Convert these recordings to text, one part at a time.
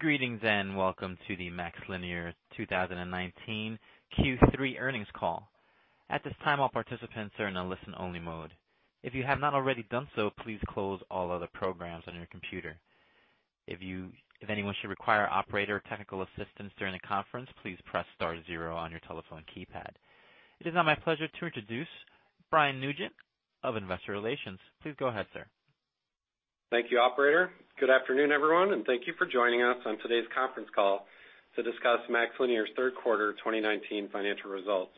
Greetings, welcome to the MaxLinear 2019 Q3 earnings call. At this time, all participants are in a listen-only mode. If you have not already done so, please close all other programs on your computer. If anyone should require operator technical assistance during the conference, please press star zero on your telephone keypad. It is now my pleasure to introduce Brian Nugent of Investor Relations. Please go ahead, sir. Thank you, operator. Good afternoon, everyone, and thank you for joining us on today's conference call to discuss MaxLinear's third quarter 2019 financial results.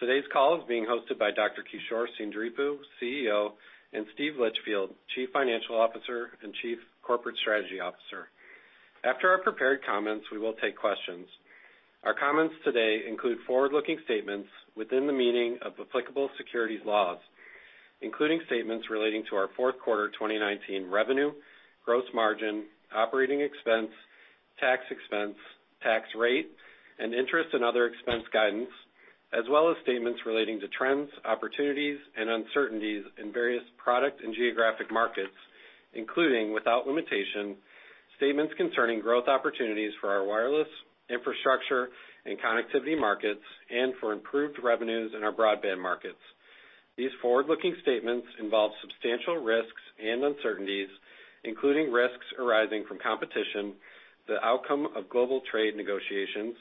Today's call is being hosted by Dr. Kishore Seendripu, CEO, and Steve Litchfield, Chief Financial Officer and Chief Corporate Strategy Officer. After our prepared comments, we will take questions. Our comments today include forward-looking statements within the meaning of applicable securities laws, including statements relating to our fourth quarter 2019 revenue, gross margin, operating expense, tax expense, tax rate, and interest and other expense guidance, as well as statements relating to trends, opportunities, and uncertainties in various product and geographic markets, including, without limitation, statements concerning growth opportunities for our wireless infrastructure and connectivity markets and for improved revenues in our broadband markets. These forward-looking statements involve substantial risks and uncertainties, including risks arising from competition, the outcome of global trade negotiations,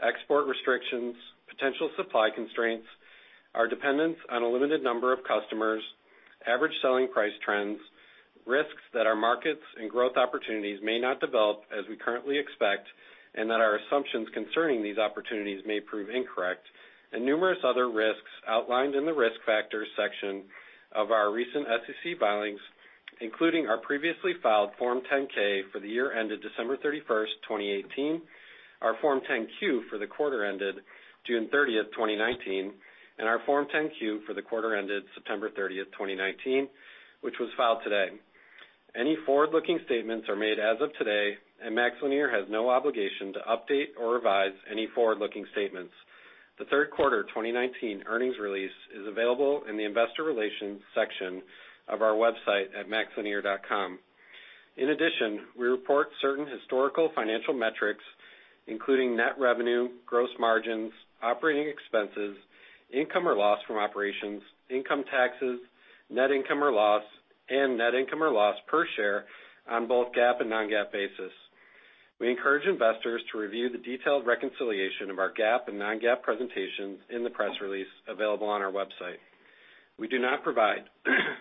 export restrictions, potential supply constraints, our dependence on a limited number of customers, average selling price trends, risks that our markets and growth opportunities may not develop as we currently expect, and that our assumptions concerning these opportunities may prove incorrect, and numerous other risks outlined in the risk factors section of our recent SEC filings, including our previously filed Form 10-K for the year ended December 31st, 2018, our Form 10-Q for the quarter ended June 30th, 2019, and our Form 10-Q for the quarter ended September 30th, 2019, which was filed today. Any forward-looking statements are made as of today, and MaxLinear has no obligation to update or revise any forward-looking statements. The third quarter 2019 earnings release is available in the investor relations section of our website at maxlinear.com. In addition, we report certain historical financial metrics, including net revenue, gross margins, operating expenses, income or loss from operations, income taxes, net income or loss, and net income or loss per share on both GAAP and non-GAAP basis. We encourage investors to review the detailed reconciliation of our GAAP and non-GAAP presentations in the press release available on our website. We do not provide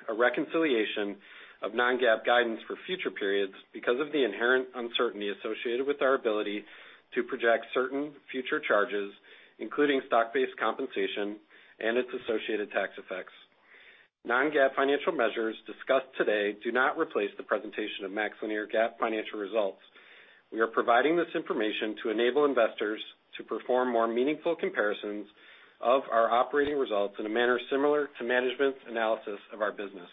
a reconciliation of non-GAAP guidance for future periods because of the inherent uncertainty associated with our ability to project certain future charges, including stock-based compensation and its associated tax effects. Non-GAAP financial measures discussed today do not replace the presentation of MaxLinear GAAP financial results. We are providing this information to enable investors to perform more meaningful comparisons of our operating results in a manner similar to management's analysis of our business.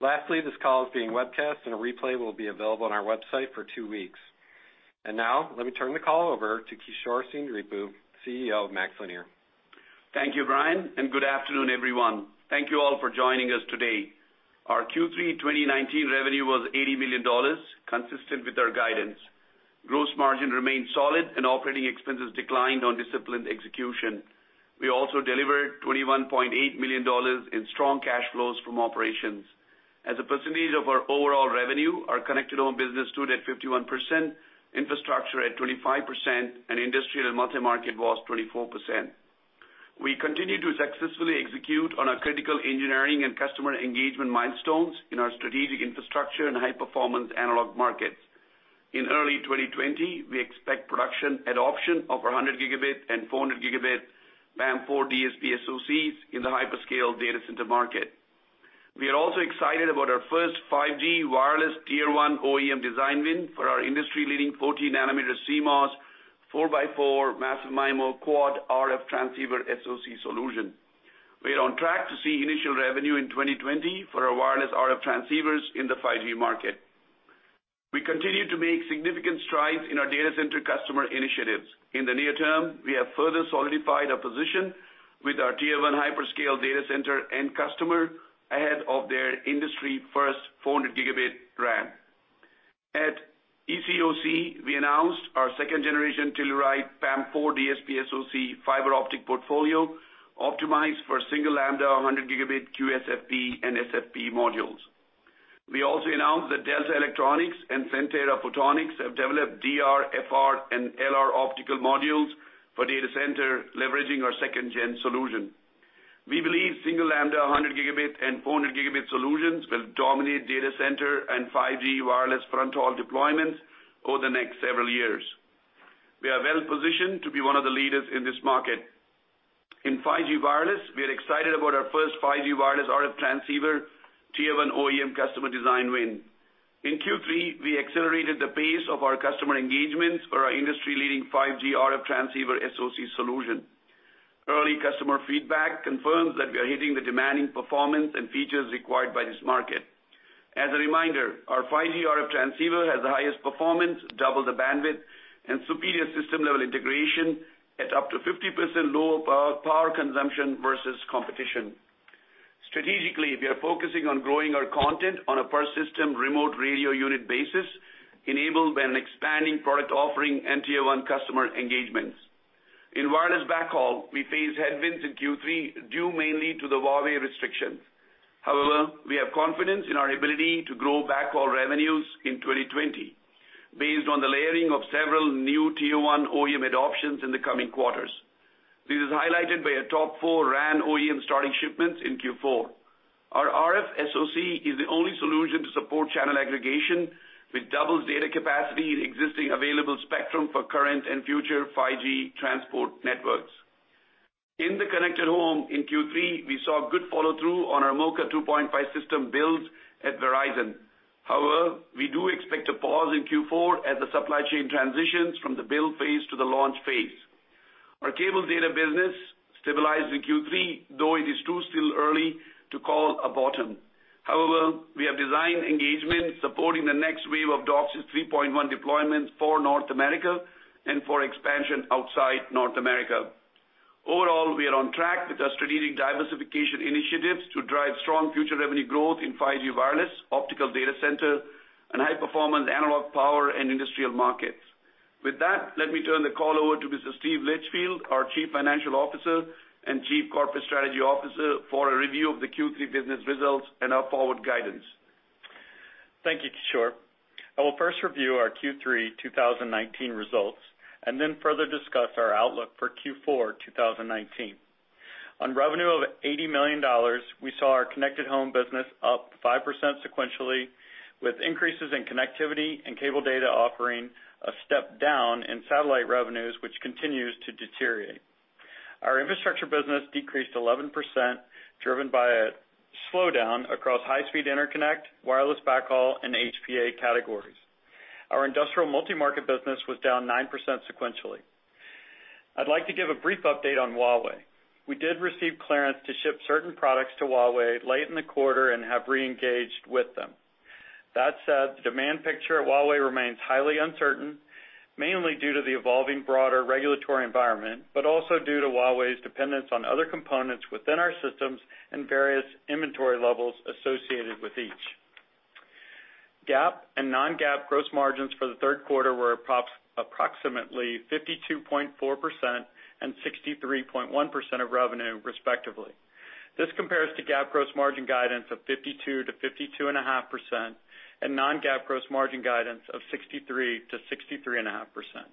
Lastly, this call is being webcast, and a replay will be available on our website for two weeks. Now, let me turn the call over to Kishore Seendripu, CEO of MaxLinear. Thank you, Brian, and good afternoon, everyone. Thank you all for joining us today. Our Q3 2019 revenue was $80 million, consistent with our guidance. Gross margin remained solid, and operating expenses declined on disciplined execution. We also delivered $21.8 million in strong cash flows from operations. As a percentage of our overall revenue, our connected home business stood at 51%, infrastructure at 25%, and industrial and multi-market was 24%. We continue to successfully execute on our critical engineering and customer engagement milestones in our strategic infrastructure and high-performance analog markets. In early 2020, we expect production adoption of our 100 Gigabit and 400 Gigabit PAM4 DSP SoCs in the hyperscale data center market. We are also excited about our first 5G wireless tier 1 OEM design win for our industry-leading 14-nanometer CMOS four-by-four massive MIMO quad RF transceiver SoC solution. We are on track to see initial revenue in 2020 for our wireless RF transceivers in the 5G market. We continue to make significant strides in our data center customer initiatives. In the near term, we have further solidified our position with our tier-one hyperscale data center end customer ahead of their industry-first 400 Gigabit ramp. At ECOC, we announced our second-generation Telluride PAM4 DSP SoC fiber optic portfolio optimized for single lambda 100 Gigabit QSFP and SFP modules. We also announced that Dell and Centera Photonics have developed DR, FR, and LR optical modules for data center leveraging our second-gen solution. We believe single lambda 100 Gigabit and 400 Gigabit solutions will dominate data center and 5G wireless fronthaul deployments over the next several years. We are well-positioned to be one of the leaders in this market. In 5G wireless, we are excited about our first 5G wireless RF transceiver tier-1 OEM customer design win. In Q3, we accelerated the pace of our customer engagements for our industry-leading 5G RF transceiver SoC solution. Early customer feedback confirms that we are hitting the demanding performance and features required by this market. As a reminder, our 5G RF transceiver has the highest performance, double the bandwidth, and superior system-level integration at up to 50% lower power consumption versus competition. Strategically, we are focusing on growing our content on a per system remote radio unit basis, enabled by an expanding product offering and Tier 1 customer engagements. In wireless backhaul, we faced headwinds in Q3 due mainly to the Huawei restrictions. We have confidence in our ability to grow backhaul revenues in 2020 based on the layering of several new Tier 1 OEM adoptions in the coming quarters. This is highlighted by our top four RAN OEM starting shipments in Q4. Our RF SoC is the only solution to support channel aggregation, which doubles data capacity in existing available spectrum for current and future 5G transport networks. In the connected home in Q3, we saw good follow-through on our MoCA 2.5 system builds at Verizon. We do expect a pause in Q4 as the supply chain transitions from the build phase to the launch phase. Our cable data business stabilized in Q3, though it is too still early to call a bottom. We have design engagements supporting the next wave of DOCSIS 3.1 deployments for North America and for expansion outside North America. We are on track with our strategic diversification initiatives to drive strong future revenue growth in 5G wireless, optical data center, and high-performance analog power and industrial markets. With that, let me turn the call over to Mr. Steve Litchfield, our Chief Financial Officer and Chief Corporate Strategy Officer, for a review of the Q3 business results and our forward guidance. Thank you, Kishore. I will first review our Q3 2019 results and then further discuss our outlook for Q4 2019. On revenue of $80 million, we saw our connected home business up 5% sequentially, with increases in connectivity and cable data offering a step down in satellite revenues, which continues to deteriorate. Our infrastructure business decreased 11%, driven by a slowdown across high-speed interconnect, wireless backhaul and HPA categories. Our industrial multi-market business was down 9% sequentially. I'd like to give a brief update on Huawei. We did receive clearance to ship certain products to Huawei late in the quarter and have re-engaged with them. That said, the demand picture at Huawei remains highly uncertain, mainly due to the evolving broader regulatory environment, but also due to Huawei's dependence on other components within our systems and various inventory levels associated with each. GAAP and non-GAAP gross margins for the third quarter were approximately 52.4% and 63.1% of revenue, respectively. This compares to GAAP gross margin guidance of 52%-52.5%, and non-GAAP gross margin guidance of 63%-63.5%.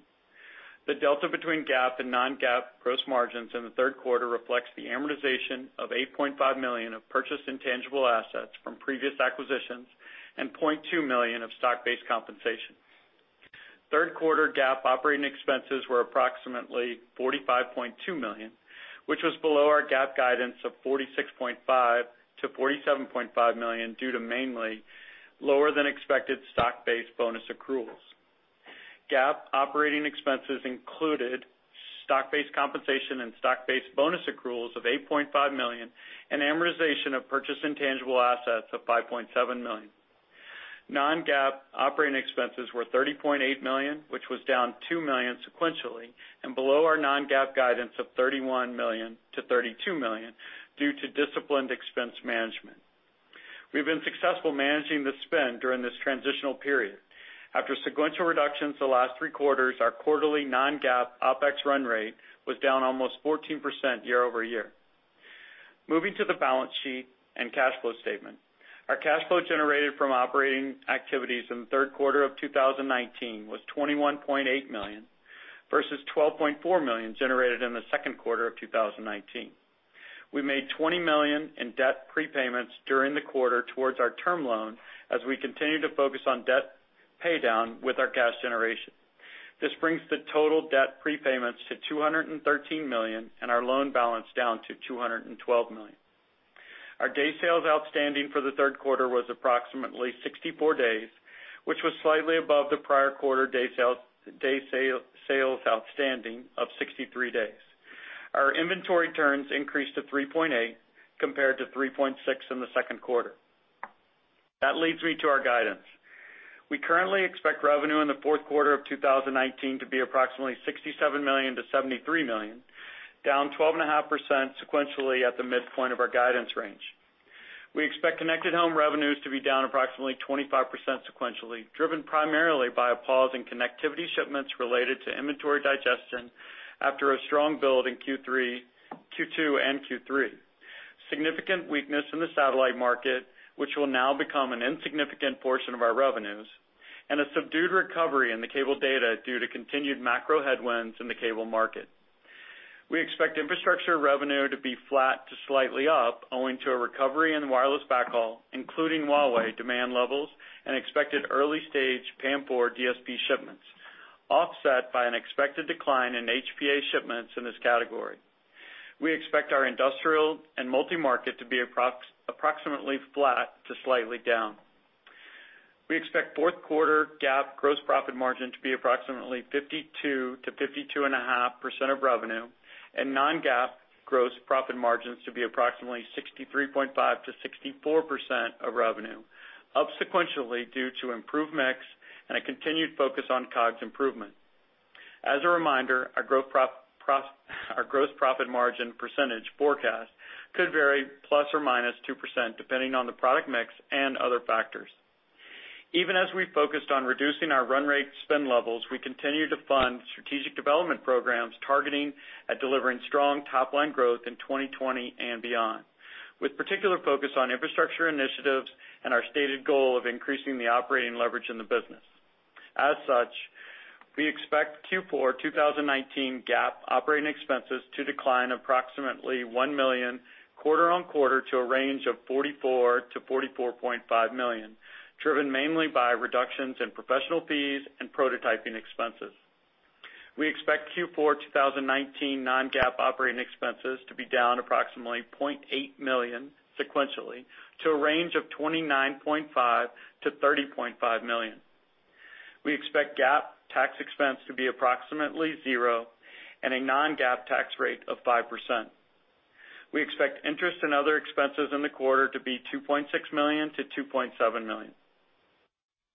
The delta between GAAP and non-GAAP gross margins in the third quarter reflects the amortization of $8.5 million of purchased intangible assets from previous acquisitions and $0.2 million of stock-based compensation. Third quarter GAAP operating expenses were approximately $45.2 million, which was below our GAAP guidance of $46.5 million-$47.5 million, due to mainly lower than expected stock-based bonus accruals. GAAP operating expenses included stock-based compensation and stock-based bonus accruals of $8.5 million and amortization of purchased intangible assets of $5.7 million. Non-GAAP operating expenses were $30.8 million, which was down $2 million sequentially and below our non-GAAP guidance of $31 million-$32 million due to disciplined expense management. We've been successful managing the spend during this transitional period. After sequential reductions the last three quarters, our quarterly non-GAAP OPEX run rate was down almost 14% year-over-year. Moving to the balance sheet and cash flow statement. Our cash flow generated from operating activities in the third quarter of 2019 was $21.8 million, versus $12.4 million generated in the second quarter of 2019. We made $20 million in debt prepayments during the quarter towards our term loan as we continue to focus on debt paydown with our cash generation. This brings the total debt prepayments to $213 million and our loan balance down to $212 million. Our day sales outstanding for the third quarter was approximately 64 days, which was slightly above the prior quarter day sales outstanding of 63 days. Our inventory turns increased to 3.8, compared to 3.6 in the second quarter. That leads me to our guidance. We currently expect revenue in the fourth quarter of 2019 to be approximately $67 million-$73 million, down 12.5% sequentially at the midpoint of our guidance range. We expect connected home revenues to be down approximately 25% sequentially, driven primarily by a pause in connectivity shipments related to inventory digestion after a strong build in Q2 and Q3. Significant weakness in the satellite market, which will now become an insignificant portion of our revenues, and a subdued recovery in the cable data due to continued macro headwinds in the cable market. We expect infrastructure revenue to be flat to slightly up, owing to a recovery in wireless backhaul, including Huawei demand levels and expected early-stage PAM4 DSP shipments, offset by an expected decline in HPA shipments in this category. We expect our industrial and multi-market to be approximately flat to slightly down. We expect fourth quarter GAAP gross profit margin to be approximately 52%-52.5% of revenue and non-GAAP gross profit margins to be approximately 63.5%-64% of revenue, up sequentially due to improved mix and a continued focus on COGS improvement. As a reminder, our gross profit margin percentage forecast could vary ±2%, depending on the product mix and other factors. Even as we focused on reducing our run rate spend levels, we continue to fund strategic development programs targeting at delivering strong top-line growth in 2020 and beyond, with particular focus on infrastructure initiatives and our stated goal of increasing the operating leverage in the business. As such, we expect Q4 2019 GAAP operating expenses to decline approximately $1 million quarter-on-quarter to a range of $44 million-$44.5 million, driven mainly by reductions in professional fees and prototyping expenses. We expect Q4 2019 non-GAAP operating expenses to be down approximately $0.8 million sequentially to a range of $29.5 million-$30.5 million. We expect GAAP tax expense to be approximately zero, and a non-GAAP tax rate of 5%. We expect interest and other expenses in the quarter to be $2.6 million-$2.7 million.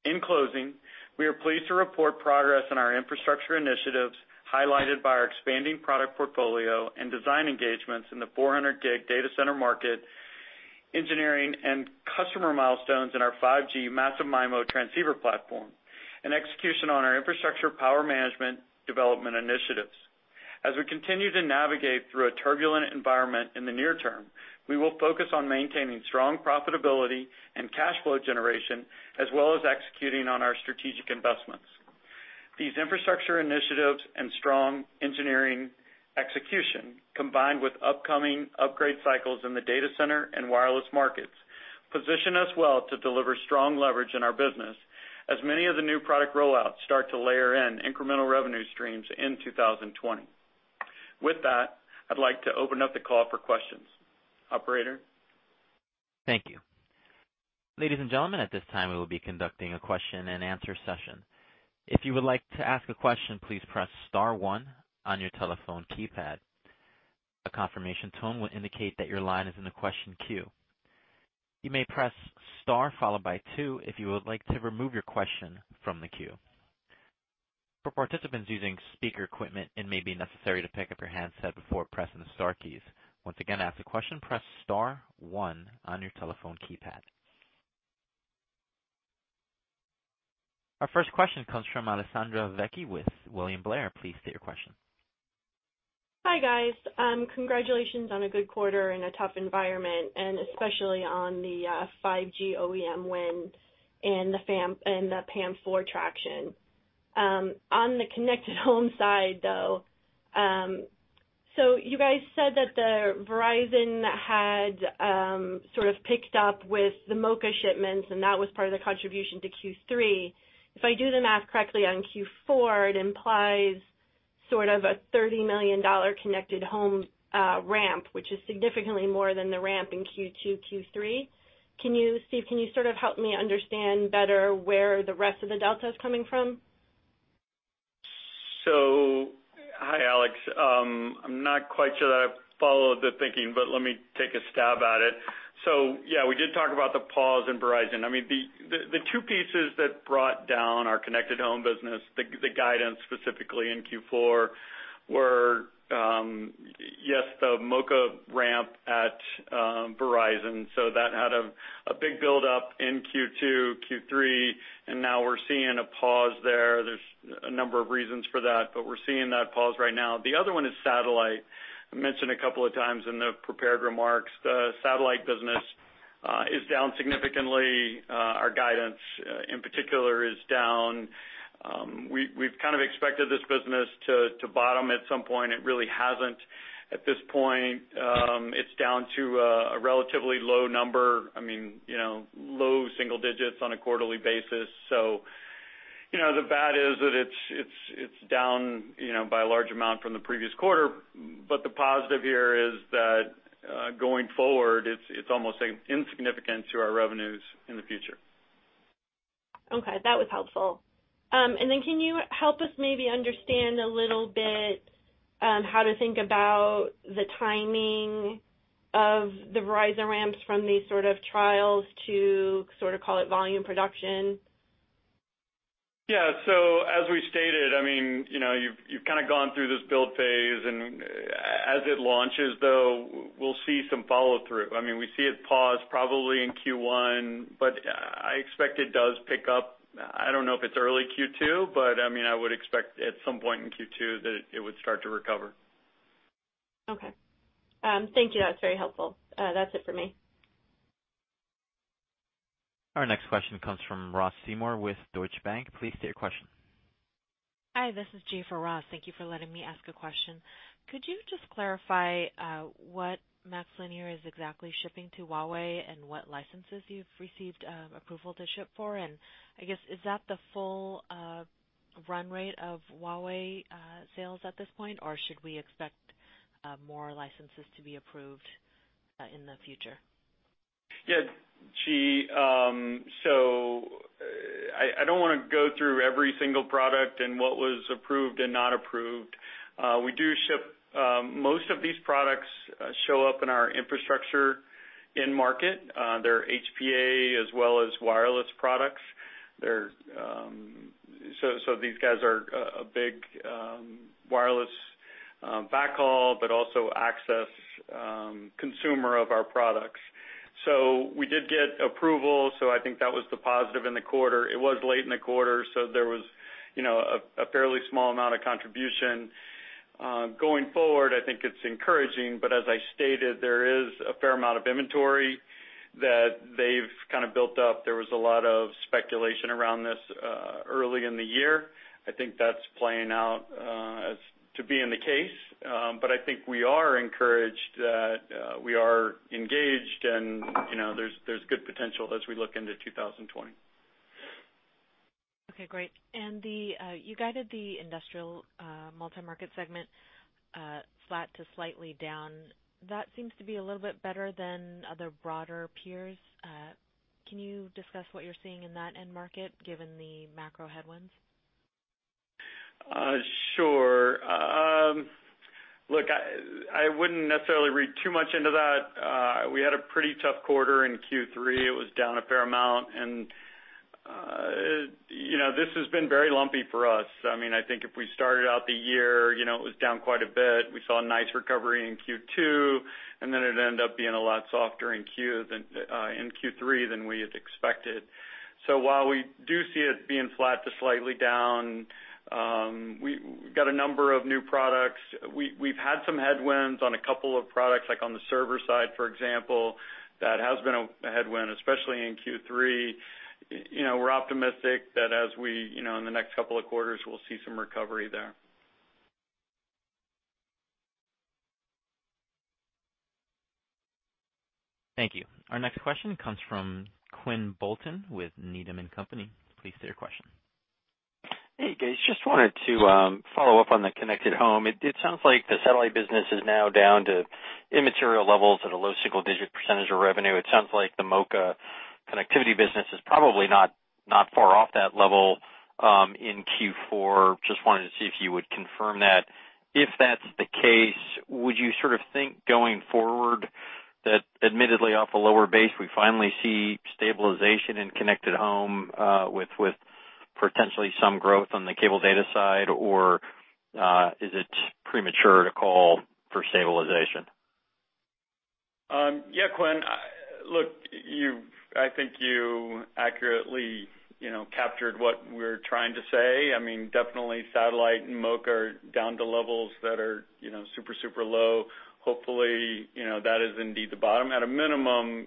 In closing, we are pleased to report progress in our infrastructure initiatives, highlighted by our expanding product portfolio and design engagements in the 400G data center market, engineering and customer milestones in our 5G massive MIMO transceiver platform, and execution on our infrastructure power management development initiatives. As we continue to navigate through a turbulent environment in the near term, we will focus on maintaining strong profitability and cash flow generation, as well as executing on our strategic investments. These infrastructure initiatives and strong engineering execution, combined with upcoming upgrade cycles in the data center and wireless markets, position us well to deliver strong leverage in our business as many of the new product rollouts start to layer in incremental revenue streams in 2020. With that, I'd like to open up the call for questions. Operator? Thank you. Ladies and gentlemen, at this time, we will be conducting a question and answer session. If you would like to ask a question, please press *1 on your telephone keypad. A confirmation tone will indicate that your line is in the question queue. You may press star followed by 2 if you would like to remove your question from the queue. For participants using speaker equipment, it may be necessary to pick up your handset before pressing the star keys. Once again, ask a question, press *1 on your telephone keypad. Our first question comes from Alessandra Vecchi with William Blair. Please state your question. Hi, guys. Congratulations on a good quarter in a tough environment, and especially on the 5G OEM win and the PAM4 traction. On the Connected Home side, though, you guys said that Verizon had sort of picked up with the MoCA shipments, and that was part of the contribution to Q3. If I do the math correctly on Q4, it implies sort of a $30 million Connected Home ramp, which is significantly more than the ramp in Q2, Q3. Steve, can you sort of help me understand better where the rest of the delta is coming from? Hi, Alex. I'm not quite sure that I followed the thinking, but let me take a stab at it. Yeah, we did talk about the pause in Verizon. I mean, the two pieces that brought down our Connected Home business, the guidance specifically in Q4, were, yes, the MoCA ramp at Verizon. That had a big buildup in Q2, Q3, and now we're seeing a pause there. There's a number of reasons for that, but we're seeing that pause right now. The other one is satellite. I mentioned a couple of times in the prepared remarks, the satellite business is down significantly. Our guidance, in particular, is down. We've kind of expected this business to bottom at some point. It really hasn't at this point. It's down to a relatively low number. I mean, low single digits on a quarterly basis. The bad is that it's down by a large amount from the previous quarter. The positive here is that going forward, it's almost insignificant to our revenues in the future. Okay. That was helpful. Then can you help us maybe understand a little bit how to think about the timing of the Verizon ramps from these sort of trials to sort of call it volume production? As we stated, you've kind of gone through this build phase and as it launches, though, we'll see some follow-through. I mean, we see it pause probably in Q1, but I expect it does pick up. I don't know if it's early Q2, but I would expect at some point in Q2 that it would start to recover. Okay. Thank you. That's very helpful. That's it for me. Our next question comes from Ross Seymore with Deutsche Bank. Please state your question. Hi, this is Jee for Ross. Thank you for letting me ask a question. Could you just clarify what MaxLinear is exactly shipping to Huawei and what licenses you've received approval to ship for? I guess, is that the full run rate of Huawei sales at this point, or should we expect more licenses to be approved in the future? Yeah. Jee, I don't want to go through every single product and what was approved and not approved. We do ship most of these products, show up in our infrastructure end market. They're HPA as well as wireless products. These guys are a big wireless backhaul, but also access consumer of our products. We did get approval, so I think that was the positive in the quarter. It was late in the quarter, so there was a fairly small amount of contribution. Going forward, I think it's encouraging, but as I stated, there is a fair amount of inventory that they've kind of built up. There was a lot of speculation around this early in the year. I think that's playing out to be in the case, but I think we are encouraged that we are engaged and there's good potential as we look into 2020. Okay, great. You guided the industrial multi-market segment flat to slightly down. That seems to be a little bit better than other broader peers. Can you discuss what you're seeing in that end market, given the macro headwinds? Sure. Look, I wouldn't necessarily read too much into that. We had a pretty tough quarter in Q3. It was down a fair amount, and this has been very lumpy for us. I think if we started out the year, it was down quite a bit. We saw a nice recovery in Q2, and then it ended up being a lot softer in Q3 than we had expected. While we do see it being flat to slightly down, we've got a number of new products. We've had some headwinds on a couple of products, like on the server side, for example. That has been a headwind, especially in Q3. We're optimistic that in the next couple of quarters, we'll see some recovery there. Thank you. Our next question comes from Quinn Bolton with Needham & Company. Please state your question. Hey, guys. Just wanted to follow up on the connected home. It sounds like the satellite business is now down to immaterial levels at a low single-digit % of revenue. It sounds like the MoCA connectivity business is probably not far off that level in Q4. Just wanted to see if you would confirm that. If that's the case, would you sort of think going forward that admittedly off a lower base, we finally see stabilization in connected home, with potentially some growth on the cable data side, or is it premature to call for stabilization? Yeah, Quinn. Look, I think you accurately captured what we're trying to say. Definitely satellite and MoCA are down to levels that are super low. Hopefully, that is indeed the bottom. At a minimum,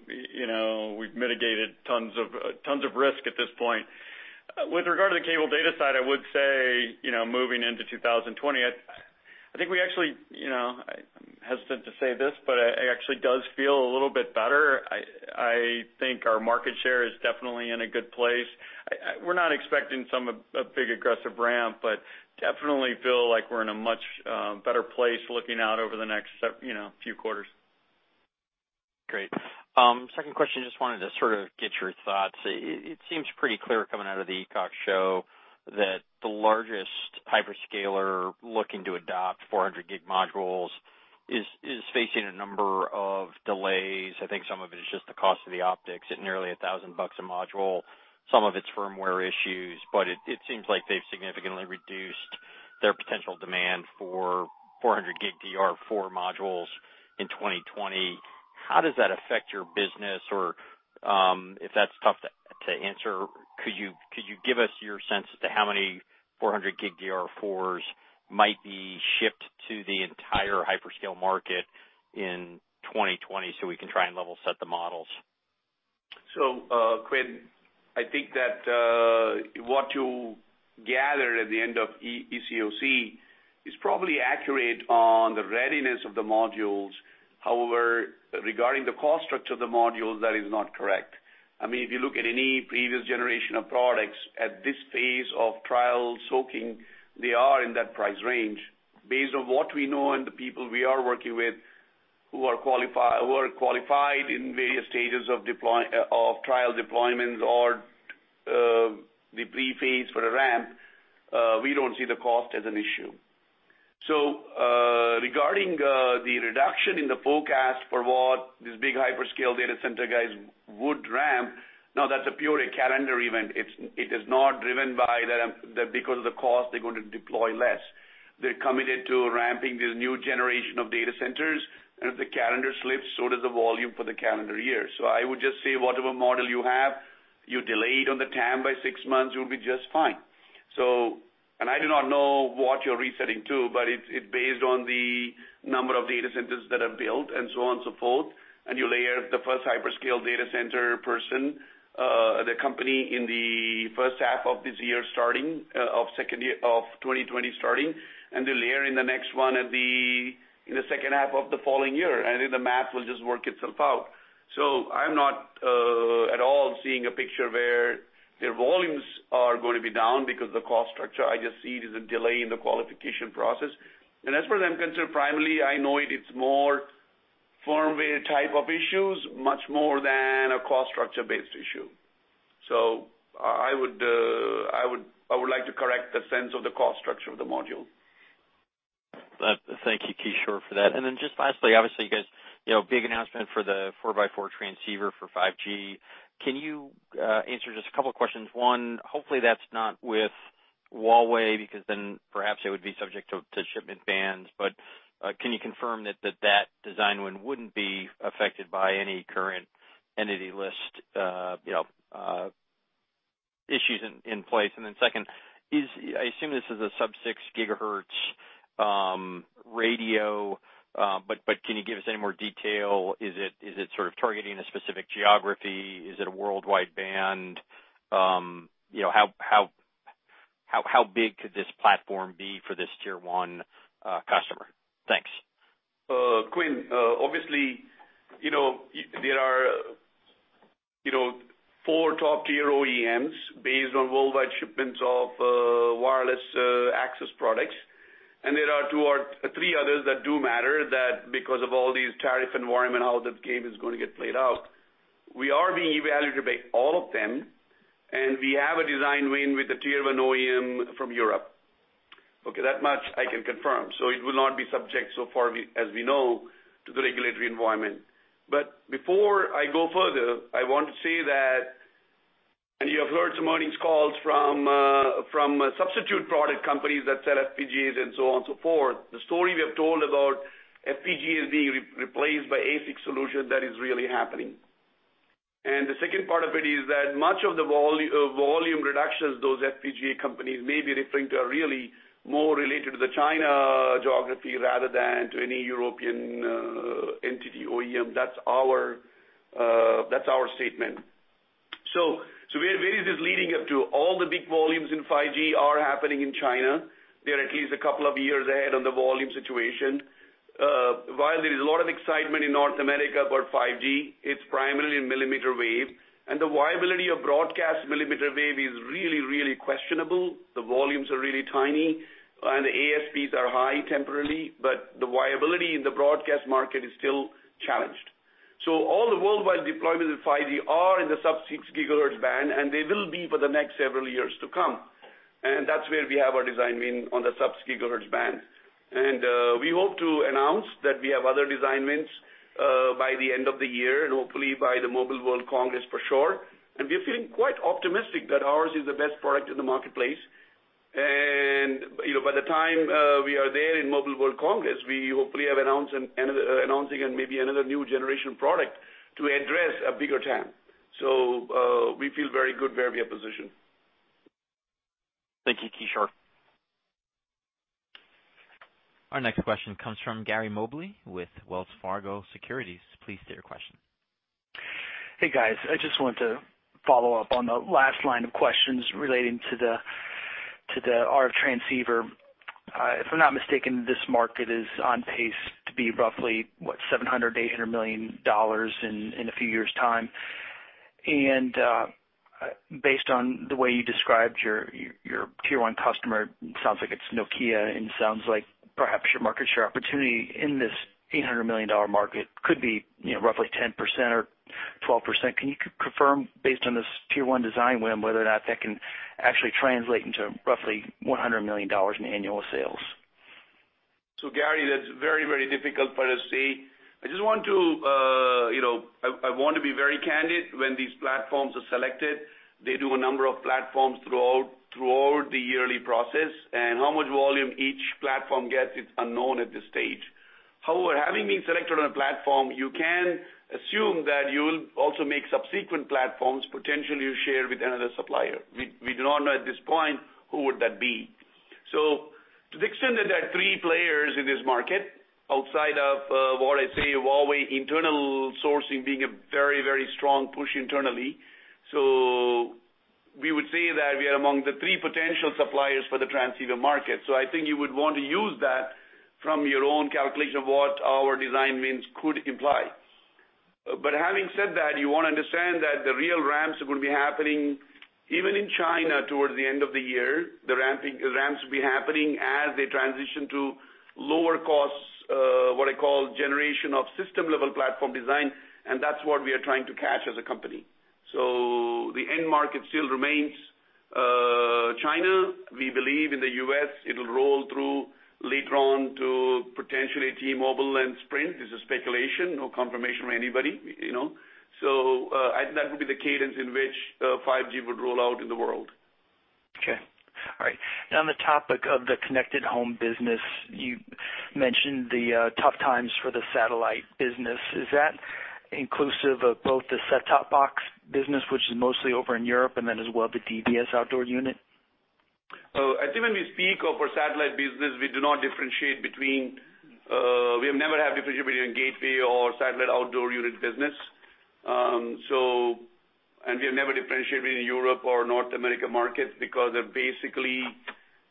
we've mitigated tons of risk at this point. With regard to the cable data side, I would say, moving into 2020, I think we actually, I'm hesitant to say this, but it actually does feel a little bit better. I think our market share is definitely in a good place. We're not expecting some big aggressive ramp, but definitely feel like we're in a much better place looking out over the next few quarters. Great. Second question, just wanted to sort of get your thoughts. It seems pretty clear coming out of the ECOC show that the largest hyperscaler looking to adopt 400G modules is facing a number of delays. I think some of it is just the cost of the optics at nearly $1,000 a module. It seems like they've significantly reduced their potential demand for 400G DR4 modules in 2020. How does that affect your business? If that's tough to answer, could you give us your sense as to how many 400G DR4s might be shipped to the entire hyperscale market in 2020 so we can try and level set the models? Quinn, I think that what you gathered at the end of ECOC is probably accurate on the readiness of the modules. However, regarding the cost structure of the modules, that is not correct. If you look at any previous generation of products at this phase of trial soaking, they are in that price range. Based on what we know and the people we are working with who are qualified in various stages of trial deployments or the pre-phase for the ramp, we don't see the cost as an issue. Regarding the reduction in the forecast for what these big hyperscale data center guys would ramp, now that's a purely calendar event. It is not driven by because of the cost, they're going to deploy less. They're committed to ramping this new generation of data centers, and if the calendar slips, so does the volume for the calendar year. I would just say whatever model you have, you delay it on the TAM by six months, you'll be just fine. I do not know what you're resetting to, but it's based on the number of data centers that are built and so on, so forth, and you layer the first hyperscale data center person, the company in the first half of 2020 starting, and they layer in the next one in the second half of the following year. The math will just work itself out. I'm not at all seeing a picture where their volumes are going to be down because of the cost structure. I just see it as a delay in the qualification process. As for them concerned, primarily, I know it's more firmware type of issues, much more than a cost structure-based issue. I would like to correct the sense of the cost structure of the module. Thank you, Kishore, for that. Just lastly, obviously, you guys, big announcement for the 4x4 transceiver for 5G. Can you answer just a couple of questions? One, hopefully, that's not with Huawei, because then perhaps it would be subject to shipment bans. Can you confirm that that design win wouldn't be affected by any current entity list issues in place? Then second, I assume this is a sub-6 GHz radio, can you give us any more detail? Is it sort of targeting a specific geography? Is it a worldwide band? How big could this platform be for this tier 1 customer? Thanks. Quinn, obviously, there are 4 top-tier OEMs based on worldwide shipments of wireless access products, and there are three others that do matter that because of all these tariff environment, how that game is going to get played out, we are being evaluated by all of them, and we have a design win with a tier 1 OEM from Europe. Okay, that much I can confirm. It will not be subject so far as we know, to the regulatory environment. Before I go further, I want to say that, and you have heard some earnings calls from substitute product companies that sell FPGAs and so on and so forth. The story we have told about FPGAs being replaced by ASIC solution, that is really happening. The second part of it is that much of the volume reductions those FPGA companies may be referring to are really more related to the China geography rather than to any European entity OEM. That's our statement. Where is this leading up to? All the big volumes in 5G are happening in China. They're at least a couple of years ahead on the volume situation. While there is a lot of excitement in North America about 5G, it's primarily in millimeter wave, and the viability of broadcast millimeter wave is really, really questionable. The volumes are really tiny, and the ASPs are high temporarily, but the viability in the broadcast market is still challenged. All the worldwide deployments of 5G are in the sub-6 GHz band, and they will be for the next several years to come. That's where we have our design win on the sub-6 GHz band. We hope to announce that we have other design wins by the end of the year and hopefully by the Mobile World Congress for sure, and we're feeling quite optimistic that ours is the best product in the marketplace. By the time we are there in Mobile World Congress, we hopefully are announcing maybe another new generation product to address a bigger TAM. We feel very good where we are positioned. Thank you, Kishore. Our next question comes from Gary Mobley with Wells Fargo Securities. Please state your question. Hey, guys. I just want to follow up on the last line of questions relating to the RF transceiver. If I'm not mistaken, this market is on pace to be roughly, what, $700, $800 million in a few years' time. Based on the way you described your tier one customer, sounds like it's Nokia, and sounds like perhaps your market share opportunity in this $800 million market could be roughly 10% or 12%. Can you confirm, based on this tier one design win, whether or not that can actually translate into roughly $100 million in annual sales? Gary, that's very, very difficult for us to say. I want to be very candid. When these platforms are selected, they do a number of platforms throughout the yearly process, and how much volume each platform gets, it's unknown at this stage. However, having been selected on a platform, you can assume that you'll also make subsequent platforms, potentially you share with another supplier. We do not know at this point who would that be. To the extent that there are three players in this market, outside of what I say, Huawei internal sourcing being a very, very strong push internally. We would say that we are among the three potential suppliers for the transceiver market. I think you would want to use that from your own calculation of what our design wins could imply. Having said that, you want to understand that the real ramps will be happening even in China towards the end of the year. The ramps will be happening as they transition to lower costs, what I call generation of system-level platform design, and that's what we are trying to catch as a company. The end market still remains China. We believe in the U.S., it'll roll through later on to potentially T-Mobile and Sprint. This is speculation, no confirmation from anybody. That will be the cadence in which 5G would roll out in the world. Okay. All right. On the topic of the connected home business, you mentioned the tough times for the satellite business. Is that inclusive of both the set-top box business, which is mostly over in Europe, and then as well, the DBS outdoor unit? I think when we speak of our satellite business, we have never had differentiation between gateway or satellite outdoor unit business. We have never differentiated between Europe or North America markets because they're basically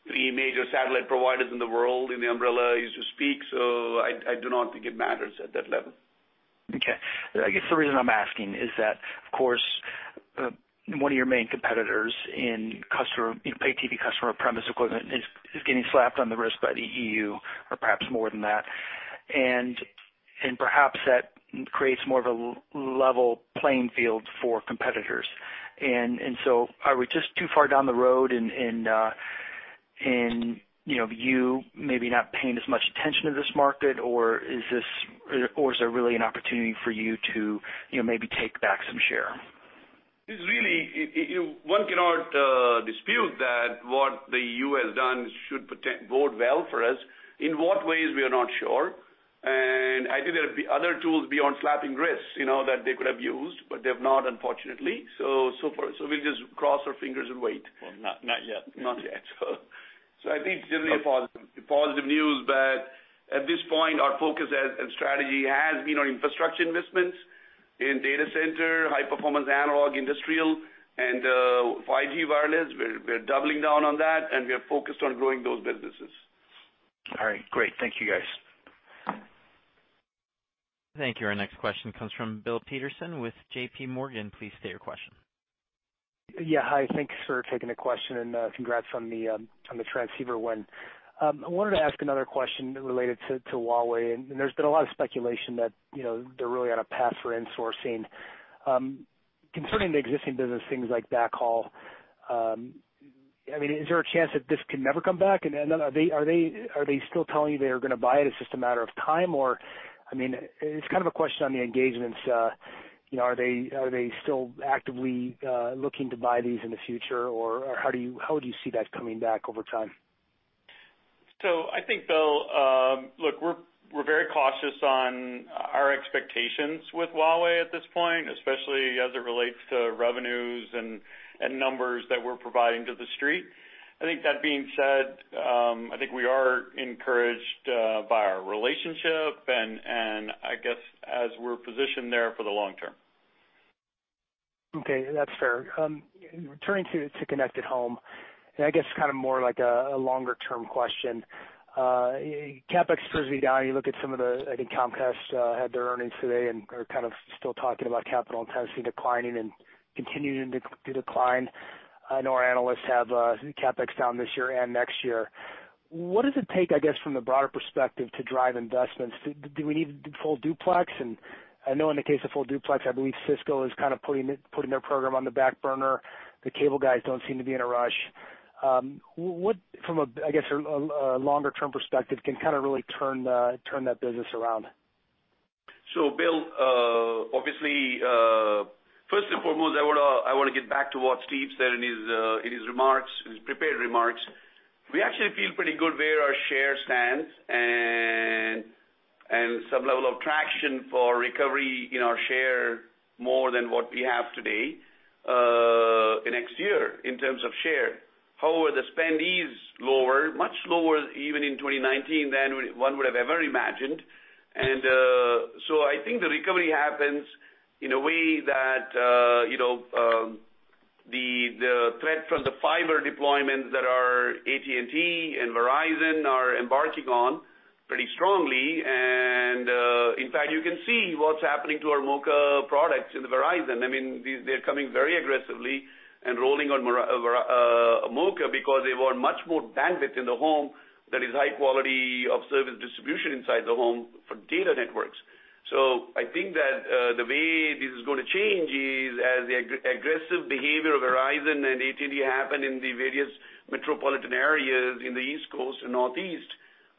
three major satellite providers in the world in the umbrella, so to speak. I do not think it matters at that level. Okay. I guess the reason I'm asking is that, of course, one of your main competitors in pay TV customer premise equipment is getting slapped on the wrist by the EU or perhaps more than that and perhaps that creates more of a level playing field for competitors. Are we just too far down the road in you maybe not paying as much attention to this market, or is there really an opportunity for you to maybe take back some share? One cannot dispute that what the EU has done should bode well for us. In what ways, we are not sure. I think there'll be other tools beyond slapping wrists that they could have used, but they have not, unfortunately. We'll just cross our fingers and wait. Well, not yet. Not yet. I think generally a positive news, but at this point, our focus and strategy has been on infrastructure investments in data center, high-performance analog, industrial, and 5G wireless. We're doubling down on that, and we are focused on growing those businesses. All right, great. Thank you, guys. Thank you. Our next question comes from Bill Peterson with JPMorgan. Please state your question. Yeah. Hi, thanks for taking the question. Congrats on the transceiver win. I wanted to ask another question related to Huawei. There's been a lot of speculation that they're really on a path for insourcing. Concerning the existing business, things like backhaul, is there a chance that this can never come back? Are they still telling you they're going to buy it's just a matter of time? It's kind of a question on the engagements. Are they still actively looking to buy these in the future, or how do you see that coming back over time? I think, Bill, look, we're very cautious on our expectations with Huawei at this point, especially as it relates to revenues and numbers that we're providing to the street. I think that being said, I think we are encouraged by our relationship, and I guess, as we're positioned there for the long term. Okay. That's fair. Turning to Connected Home, I guess kind of more like a longer-term question. CapEx continues down, you look at I think Comcast had their earnings today and are kind of still talking about capital intensity declining and continuing to decline. I know our analysts have CapEx down this year and next year. What does it take, I guess, from the broader perspective, to drive investments? Do we need full-duplex? I know in the case of full-duplex, I believe Cisco is kind of putting their program on the back burner. The cable guys don't seem to be in a rush. What, from a longer-term perspective, can kind of really turn that business around? Bill, obviously, first and foremost, I want to get back to what Steve said in his prepared remarks. We actually feel pretty good where our share stands and some level of traction for recovery in our share more than what we have today, next year, in terms of share. However, the spend is lower, much lower even in 2019 than one would have ever imagined. I think the recovery happens in a way that the threat from the fiber deployments that are AT&T and Verizon are embarking on pretty strongly. In fact, you can see what's happening to our MoCA products in Verizon. They're coming very aggressively and rolling on MoCA because they want much more bandwidth in the home that is high quality of service distribution inside the home for data networks. I think that, the way this is going to change is as the aggressive behavior of Verizon and AT&T happen in the various metropolitan areas in the East Coast and Northeast,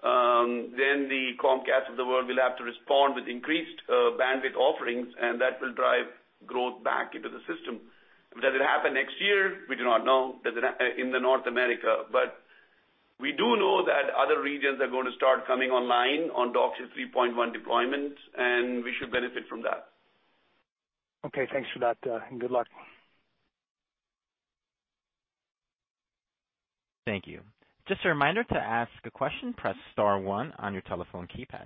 then the Comcasts of the world will have to respond with increased bandwidth offerings, and that will drive growth back into the system. Does it happen next year? We do not know, in the North America. We do know that other regions are going to start coming online on DOCSIS 3.1 deployments, and we should benefit from that. Okay. Thanks for that. Good luck. Thank you. Just a reminder, to ask a question, press *1 on your telephone keypad.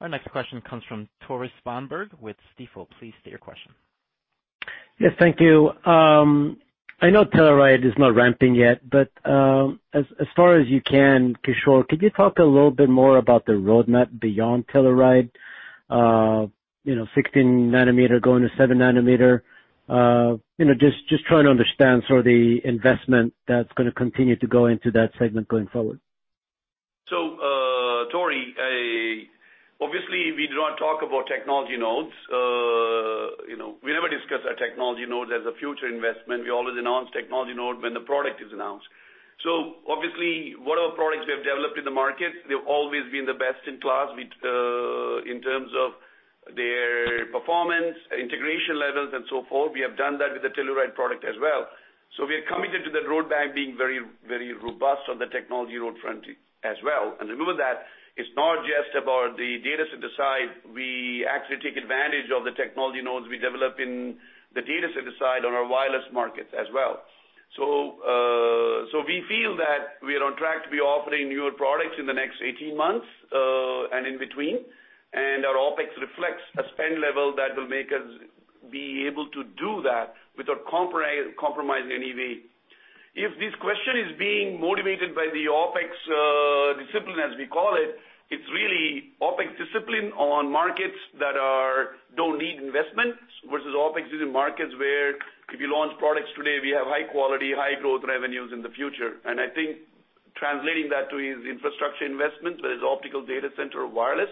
Our next question comes from Tore Svanberg with Stifel. Please state your question. Yes. Thank you. I know Telluride is not ramping yet, but, as far as you can, Kishore, could you talk a little bit more about the roadmap beyond Telluride? 16 nanometer going to seven nanometer. Just trying to understand sort of the investment that's going to continue to go into that segment going forward. Tore, obviously, we do not talk about technology nodes. We never discuss our technology nodes as a future investment. We always announce technology node when the product is announced. Obviously what our products we have developed in the market, they've always been the best in class in terms of their performance, integration levels, and so forth. We have done that with the Telluride product as well. We are committed to the roadmap being very robust on the technology road front as well. Remember that it's not just about the data center side. We actually take advantage of the technology nodes we develop in the data center side on our wireless markets as well. We feel that we are on track to be offering newer products in the next 18 months, and in between, and our OpEx reflects a spend level that will make us be able to do that without compromising in any way. If this question is being motivated by the OpEx discipline, as we call it's really OpEx discipline on markets that need investments versus OpEx in markets where if you launch products today, we have high quality, high growth revenues in the future. I think translating that to is infrastructure investments, whether it's optical data center or wireless,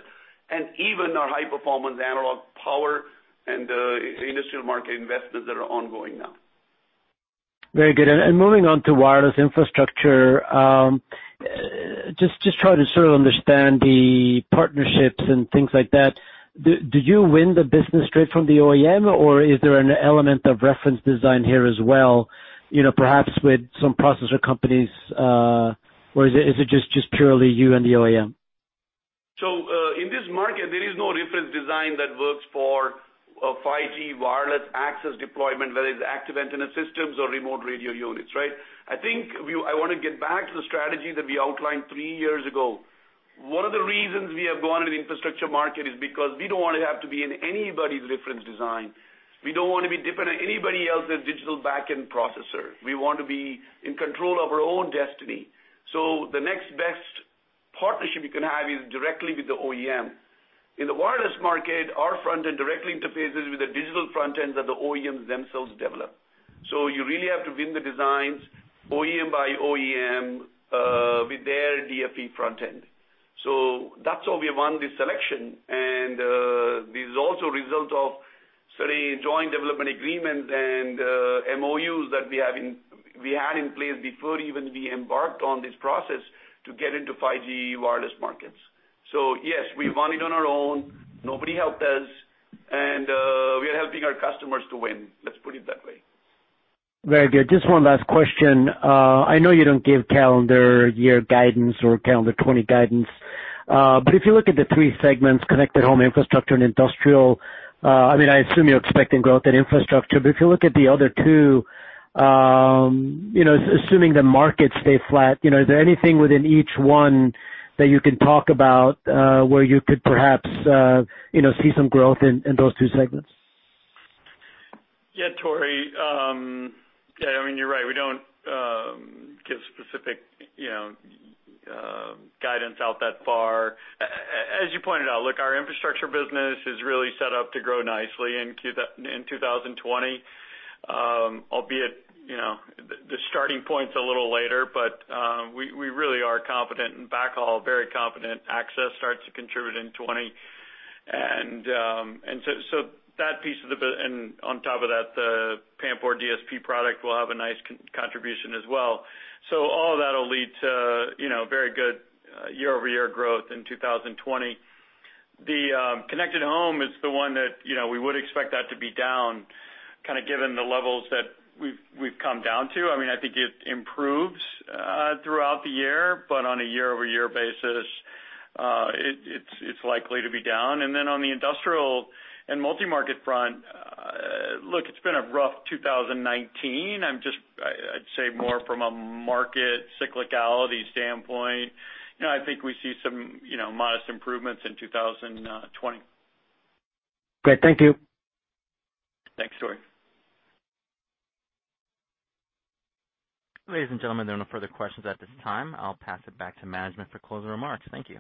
and even our high-performance analog power and the industrial market investments that are ongoing now. Very good. Moving on to wireless infrastructure, just trying to sort of understand the partnerships and things like that. Did you win the business straight from the OEM, or is there an element of reference design here as well, perhaps with some processor companies, or is it just purely you and the OEM? In this market, there is no reference design that works for 5G wireless access deployment, whether it's active antenna systems or remote radio units, right? I think I want to get back to the strategy that we outlined three years ago. One of the reasons we have gone into the infrastructure market is because we don't want to have to be in anybody's reference design. We don't want to be dependent on anybody else's digital backend processor. We want to be in control of our own destiny. The next best partnership we can have is directly with the OEM. In the wireless market, our front end directly interfaces with the digital front ends that the OEMs themselves develop. You really have to win the designs OEM by OEM, with their DFE front end. That's how we won this selection. This is also a result of certain joint development agreements and, MOUs that we had in place before even we embarked on this process to get into 5G wireless markets. Yes, we won it on our own. Nobody helped us, and we are helping our customers to win, let's put it that way. Very good. Just one last question. I know you don't give calendar year guidance or calendar 2020 guidance. If you look at the three segments, connected home infrastructure, and industrial, I assume you're expecting growth in infrastructure. If you look at the other two, assuming the markets stay flat, is there anything within each one that you can talk about, where you could perhaps see some growth in those two segments? Yeah, Tore. You're right. We don't give specific guidance out that far. As you pointed out, look, our infrastructure business is really set up to grow nicely in 2020. Albeit, the starting point's a little later, but we really are confident in backhaul, very confident access starts to contribute in 2020. On top of that, the PAM4 DSP product will have a nice contribution as well. All of that'll lead to very good year-over-year growth in 2020. The connected home is the one that we would expect that to be down, kind of given the levels that we've come down to. I think it improves throughout the year, but on a year-over-year basis, it's likely to be down. On the industrial and multi-market front, look, it's been a rough 2019. I'd say more from a market cyclicality standpoint. I think we see some modest improvements in 2020. Great. Thank you. Thanks, Tore. Ladies and gentlemen, there are no further questions at this time. I'll pass it back to management for closing remarks. Thank you.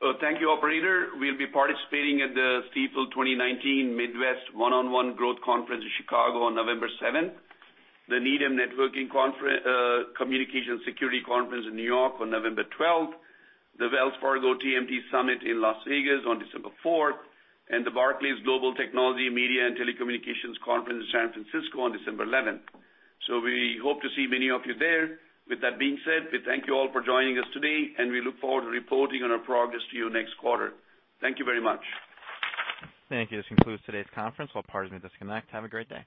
Well, thank you, operator. We'll be participating at the Stifel 2019 Midwest One-on-One Growth Conference in Chicago on November 7th, the Needham Networking Communications Security Conference in New York on November 12th, the Wells Fargo TMT Summit in Las Vegas on December 4th, and the Barclays Global Technology, Media, and Telecommunications Conference in San Francisco on December 11th. We hope to see many of you there. With that being said, we thank you all for joining us today, and we look forward to reporting on our progress to you next quarter. Thank you very much. Thank you. This concludes today's conference. All parties may disconnect. Have a great day.